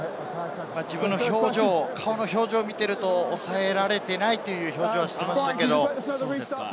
表情を見ていると、抑えられていないという表情をしていましたけ